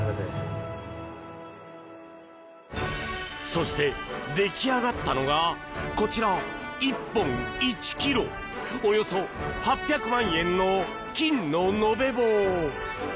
そして、出来上がったのがこちら１本１ｋｇおよそ８００万円の金の延べ棒！